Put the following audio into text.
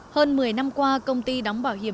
hơn một mươi năm qua công ty đóng bảo hiểm